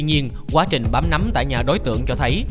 tuy nhiên quá trình bám nắm tại nhà đối tượng cho thấy